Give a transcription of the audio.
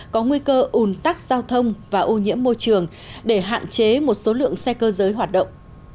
có nguy cơ ủn tắc giao thông và ô nhiễm môi trường để hạn chế một số lượng xe cơ giới hoạt động